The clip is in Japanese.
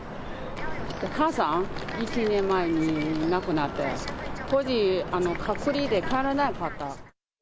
お母さんが１年前に亡くなって、当時、隔離で帰れなかった。